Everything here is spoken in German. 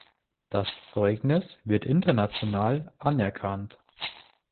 Das Zeugnis wird international anerkannt.